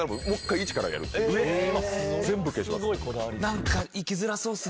全部消します。